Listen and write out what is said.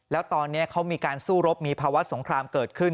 แล้วตอนนี้เขามีการสู้รบมีภาวะสงครามเกิดขึ้น